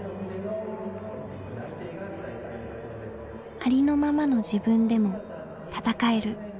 「ありのままの自分でも戦える」。